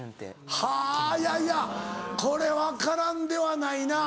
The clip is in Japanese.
はぁいやいやこれ分からんではないな。